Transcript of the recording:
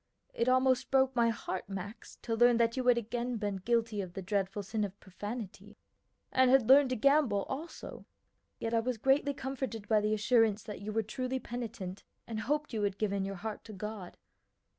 It almost broke my heart, Max, to learn that you had again been guilty of the dreadful sin of profanity, and had learned to gamble also; yet I was greatly comforted by the assurance that you were truly penitent, and hoped you had given your heart to God.